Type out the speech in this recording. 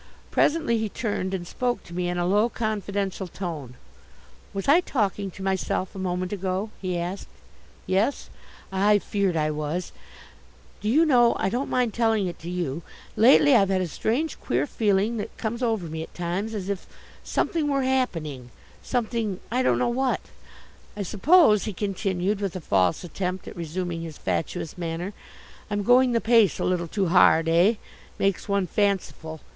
Presently he turned and spoke to me in a low, confidential tone. "Was I talking to myself a moment ago?" he asked. "Yes? Ah, I feared I was. Do you know I don't mind telling it to you lately I've had a strange, queer feeling that comes over me at times, as if something were happening something, I don't know what. I suppose," he continued, with a false attempt at resuming his fatuous manner, "I'm going the pace a little too hard, eh! Makes one fanciful.